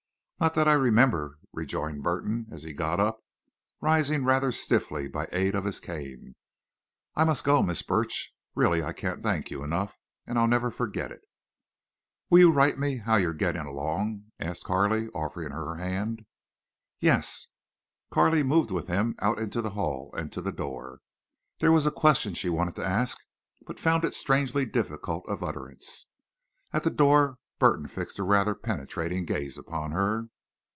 "Not that I remember," rejoined Burton, as he got up, rising rather stiffly by aid of his cane. "I must go, Miss Burch. Really I can't thank you enough. And I'll never forget it." "Will you write me how you are getting along?" asked Carley, offering her hand. "Yes." Carley moved with him out into the hall and to the door. There was a question she wanted to ask, but found it strangely difficult of utterance. At the door Burton fixed a rather penetrating gaze upon her.